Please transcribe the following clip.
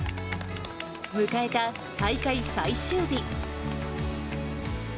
迎えた大会最終日。